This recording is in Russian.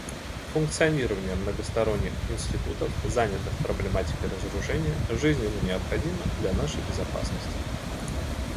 Эффективное функционирование многосторонних институтов, занятых проблематикой разоружения, жизненно необходимо для нашей безопасности.